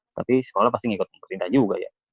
tapi sekolah pasti ngikutin pemerintah juga ya